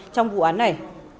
trong vụ án này